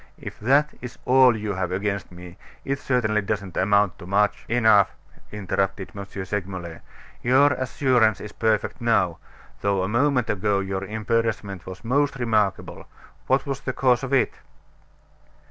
If that is all you have against me, it certainly doesn't amount to much " "Enough!" interrupted M. Segmuller. "Your assurance is perfect now; though a moment ago your embarrassment was most remarkable. What was the cause of it?"